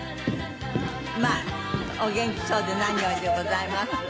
まあお元気そうで何よりでございます。